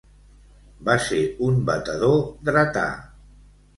Va ser un batedor dretà.